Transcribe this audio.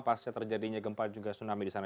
pasca terjadinya gempa juga tsunami di sana